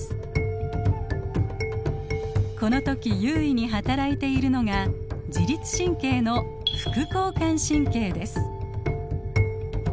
このとき優位にはたらいているのが自律神経の副交感神経です。